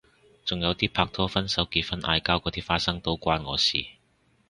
仲有啲拍拖分手結婚嗌交嗰啲花生都關我事